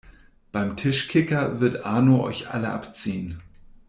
Beim Tischkicker wird Arno euch alle abziehen!